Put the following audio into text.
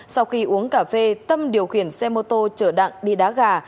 sau khi uống cà phê tâm điều khiển xe mô tô chở đặng đi đá gà